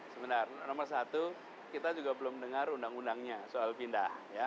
sebenarnya nomor satu kita juga belum dengar undang undangnya soal pindah